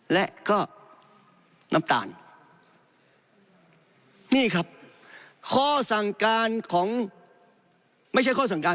และก็น้ำตาลนี่ครับข้อสั่งการของไม่ใช่ข้อสั่งการ